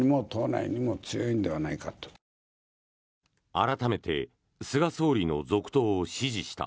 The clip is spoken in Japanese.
改めて、菅総理の続投を支持した。